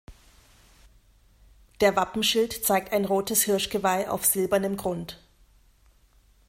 Der Wappenschild zeigt ein rotes Hirschgeweih auf silbernem Grund.